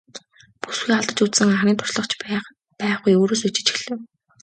Бүсгүй алдаж үзсэн анхны туршлага ч байхгүй өөрөөсөө ичиж эхлэв.